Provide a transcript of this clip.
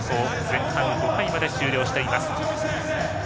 前半、５回まで終了しています。